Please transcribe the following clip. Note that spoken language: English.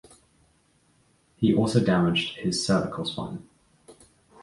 He also damaged his cervical spine.